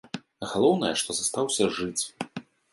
Галоўнае, што застаўся жыць.